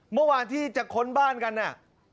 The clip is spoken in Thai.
เมื่อวานที่จะค้นบ้านกันเนี่ย